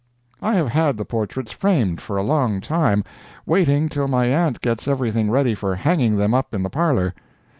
I have had the portraits framed for a long time, waiting till my aunt gets everything ready for hanging them up in the parlor.